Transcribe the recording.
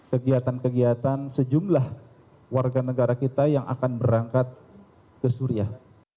kegiatan kegiatan sejumlah warga negara kita yang akan berangkat ke suriah